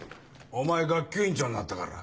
お前学級委員長になったから。